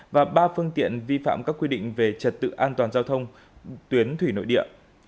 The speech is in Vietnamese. và ba phương tiện vi phạm các quy định về trật tự an toàn giao thông tuyến thủy nội địa